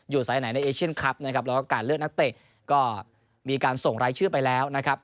สายไหนในเอเชียนคลับนะครับแล้วก็การเลือกนักเตะก็มีการส่งรายชื่อไปแล้วนะครับ